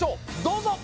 どうぞ！